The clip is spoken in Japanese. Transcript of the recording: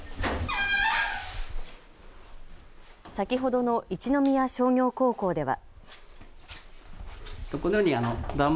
先ほどの一宮商業高校では。